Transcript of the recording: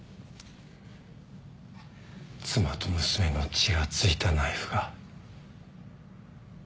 妻と娘の血が付いたナイフが。